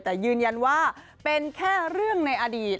แต่ยืนยันว่าเป็นแค่เรื่องในอดีต